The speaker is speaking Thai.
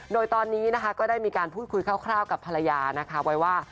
โดยตอนนี้นะคะก็ได้มีการพูดคุยคร่าวกับภรรยานะคะไว้ว่า